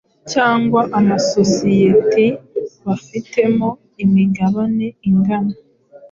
cyangwa amasosiyeti bafitemo imigabane ingana